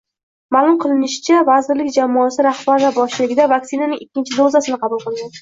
Ma’lum qilinishicha, vazirlik jamoasi rahbarlar boshchiligida vaksinaning ikkinchi dozasini qabul qilgan